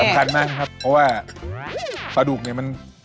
สำคัญมากครับเพราะว่าปลาดุกเนี่ยมัน